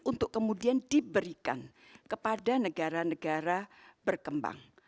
untuk kemudian diberikan kepada negara negara berkembang